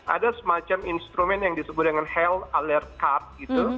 ada semacam instrumen yang disebut dengan health alert card gitu